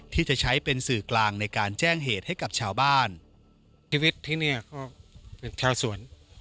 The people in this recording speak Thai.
ที่จะใช้เป็นสื่อกลางในการแจ้งเหตุให้กับชาวบ้านชีวิตที่เนี่ยก็เป็นชาวสวน